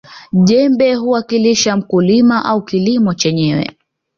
jembe huwakilisha mkulima au kilimo chenyewe